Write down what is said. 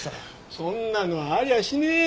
そんなのありゃしねえよ